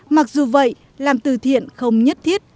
mặc dù vậy làm từ thiện không nhất thiết